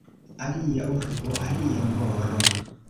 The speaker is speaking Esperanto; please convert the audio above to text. Alia urbo, alia moro.